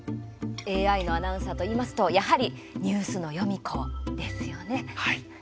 ＡＩのアナウンサーといいますとやはりニュースのヨミ子ですよね。